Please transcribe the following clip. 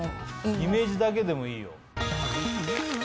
イメージだけでもいいよ。